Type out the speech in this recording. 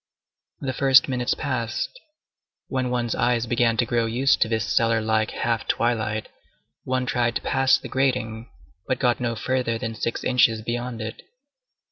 The first minutes passed; when one's eyes began to grow used to this cellar like half twilight, one tried to pass the grating, but got no further than six inches beyond it.